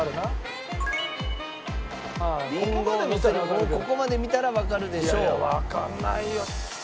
もうここまで見たらわかるでしょう。